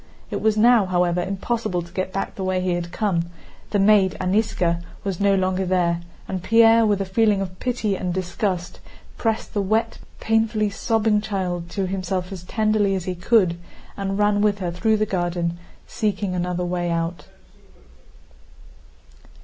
It was now, however, impossible to get back the way he had come; the maid, Aníska, was no longer there, and Pierre with a feeling of pity and disgust pressed the wet, painfully sobbing child to himself as tenderly as he could and ran with her through the garden seeking another way out.